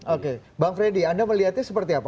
oke bang freddy anda melihatnya seperti apa